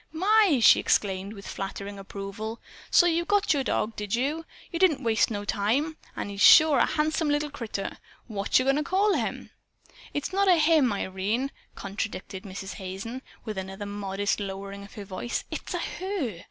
"My!" she exclaimed with flattering approval. "So you got your dog, did you? You didn't waste no time. And he's sure a handsome little critter. Whatcher goin' to call him?" "It's not a him, Irene," contradicted Mrs. Hazen, with another modest lowering of her strong voice. "It's a HER.